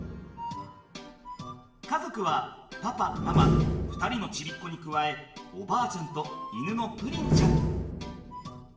家族はパパママ２人のちびっこに加えおばあちゃんと犬のプリンちゃん。